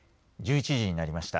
１１時になりました。